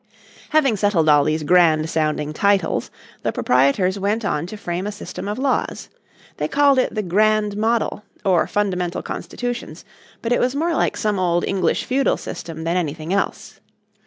Having settled all these grand sounding titles the proprietors went on to frame a system of laws. They called it the Grand Model or Fundamental Constitutions, but it was more like some old English feudal system than anything else.